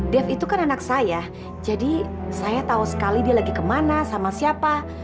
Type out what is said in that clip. dev itu kan anak saya jadi saya tahu sekali dia lagi kemana sama siapa